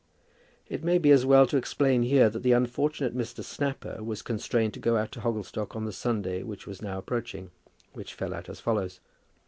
It may be as well to explain here that the unfortunate Mr. Snapper was constrained to go out to Hogglestock on the Sunday which was now approaching, which fell out as follows.